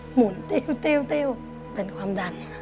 หมุนติ้วเป็นความดัน